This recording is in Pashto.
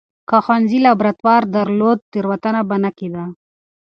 که ښوونځي لابراتوار درلود، تېروتنه به نه کېده.